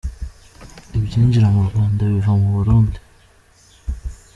Ibyinjira mu Rwanda biva mu Burundi.